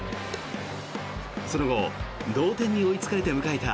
その後、同点に追いつかれて迎えた